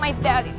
gak ada apa apa